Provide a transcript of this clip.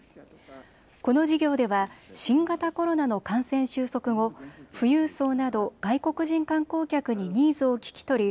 この事業では新型コロナの感染収束後、富裕層など外国人観光客にニーズを聞き取り